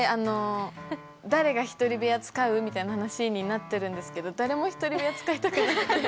誰が１人部屋使うみたいな話になってるんですけど誰も１人部屋使いたくなくて。